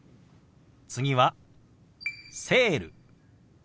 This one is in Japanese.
次は「セール」。